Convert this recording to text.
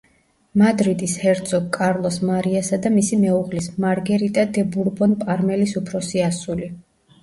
მადრიდის ჰერცოგ კარლოს მარიასა და მისი მეუღლის, მარგერიტა დე ბურბონ-პარმელის უფროსი ასული.